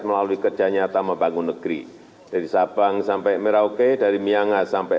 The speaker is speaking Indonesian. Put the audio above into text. melalui kerja nyata membangun negeri dari sabang sampai merauke dari miangas sampai